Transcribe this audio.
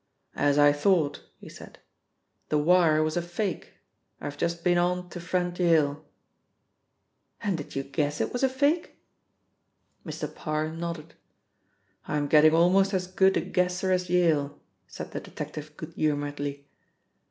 "As I thought," he said, "the wire was a fake. I've just been on to friend Yale." "And did you guess it was a fake?" Mr. Parr nodded. "I'm getting almost as good a guesser as Yale," said the detective good humouredly.